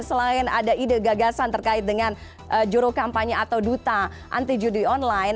selain ada ide gagasan terkait dengan juru kampanye atau duta anti judi online